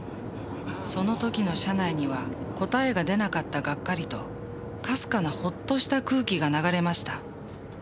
その時の車内には答えが出なかったがっかりとかすかなホッとした空気が流れました。